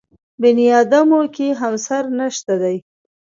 بنیاد مو کې همسر نشته دی.